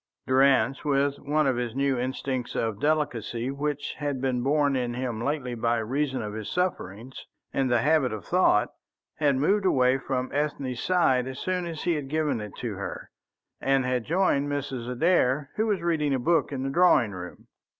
Durrance, with one of the new instincts of delicacy which had been born in him lately by reason of his sufferings and the habit of thought, had moved away from Ethne's side as soon as he had given it to her, and had joined Mrs. Adair, who was reading a book in the drawing room.